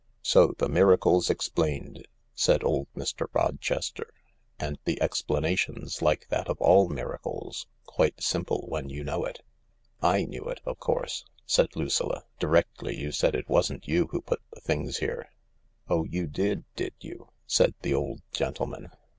"So the miracle's explained," said old Mr. Rochester; " an <* the explanation's like that of all miracles, quite simple when you know it." "/ knew it, of course," said Lucilla, " directly you said it wasn't you who put the things here." " Oh, you did, did you ?" said the old gentleman.